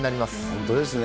本当ですね。